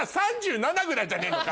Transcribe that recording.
ぐらいじゃねえのか？